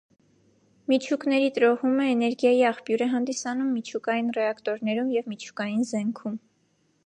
Միջուկների տրոհումը էներգիայի աղբյուր է հանդիսանում միջուկային ռեակտորներում և միջուկային զենքում։